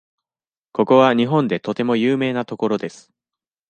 ここは日本でとても有名な所です。